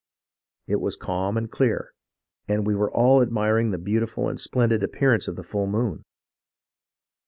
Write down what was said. It was calm and clear, and we were all admir ing the beautiful and splendid appearance of the full moon.